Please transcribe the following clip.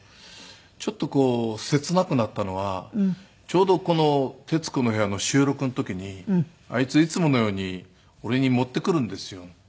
ちょっと切なくなったのはちょうどこの『徹子の部屋』の収録の時にあいついつものように俺に持ってくるんですよ